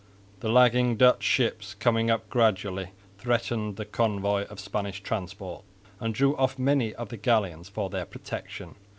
The lagging Dutch ships coming up gradually threatened the convoy of Spanish transports and drew off many of the galleons for their protection.